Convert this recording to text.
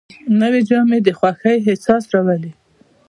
نوې جامې د خوښۍ احساس راولي